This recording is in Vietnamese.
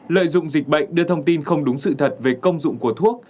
một mươi năm lợi dụng dịch bệnh đưa thông tin không đúng sự thật về công dụng của thuốc